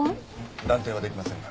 断定は出来ませんが。